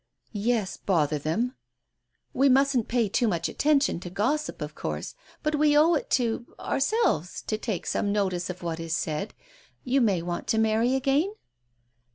"Yes, bother them!" "We mustn't pay too much attention to gossip, of course, but we owe it to — ourselves, to take some notice of what is said. You may want to marry again